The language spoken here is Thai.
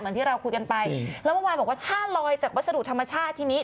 ที่เราคุยกันไปแล้วเมื่อวานบอกว่าถ้าลอยจากวัสดุธรรมชาติทีนี้